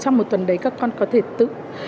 trong một tuần đấy các con có thể tự